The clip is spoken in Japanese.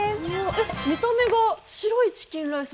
え見た目が白いチキンライス